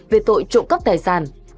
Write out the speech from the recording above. về tội trộm cắp tài sản trộm cắp tài sản